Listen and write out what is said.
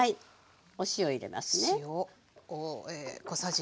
お塩入れますね。